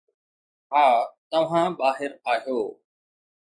ها، توهان ٻاهر آهيو